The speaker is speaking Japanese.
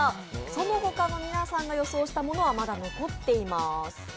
そのほかの皆さんが予想したものはまだ残っています。